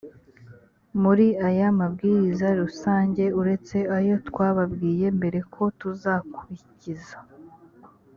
muri aya mabwiriza rusange uretse ayo twababwiye mbere ko tuzakurikiza